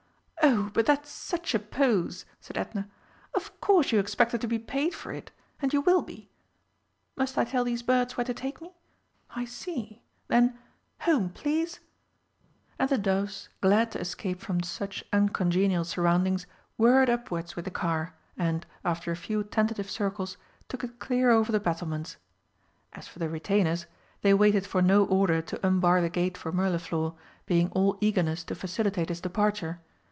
"Oh, but that's such a pose!" said Edna. "Of course you expect to be paid for it!... And you will be. Must I tell these birds where to take me?... I see. Then Home, please!" And the doves, glad to escape from such uncongenial surroundings, whirred upwards with the car and, after a few tentative circles, took it clear over the battlements. As for the retainers, they waited for no order to unbar the gate for Mirliflor, being all eagerness to facilitate his departure.